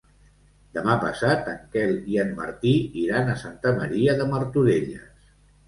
Demà passat en Quel i en Martí iran a Santa Maria de Martorelles.